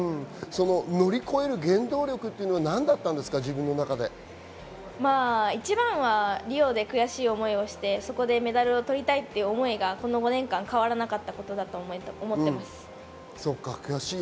乗り越える原動力っていうの一番はリオで悔しい思いをして、そこでメダルを取りたいという思いが５年間変わらなかったことだと思っています。